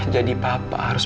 jadi papa harus